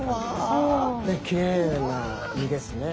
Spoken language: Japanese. きれいな身ですね。